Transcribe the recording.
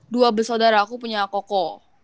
dua bersaudara aku punya koko